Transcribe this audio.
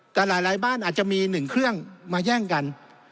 แต่หลายบ้านอาจจะมี๑เครื่องมาแย่งกัน